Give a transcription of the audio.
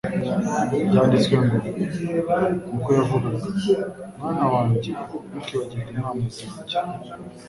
Byanditswe ngo, niko yavugaga, “Mwana wanjye ntukibagirwe inama zanjye,